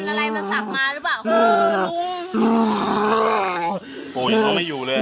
โอ้ยเขาไม่อยู่เลย